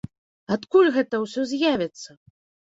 Адкуль гэта ўсё з'явіцца?